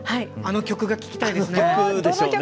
あの曲が聴きたいですね。